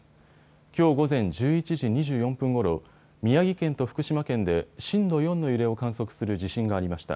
きょう午前１１時２４分ごろ、宮城県と福島県で震度４の揺れを観測する地震がありました。